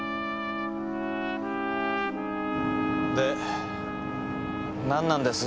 で何なんです？